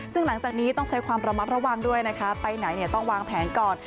ซึ่งหลังจากนี้ต้องใช้ความระมัดระวังด้วยนะคะไปไหนต้องวางแผนก่อน